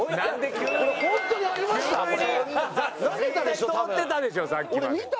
絶対通ってたでしょさっきまで。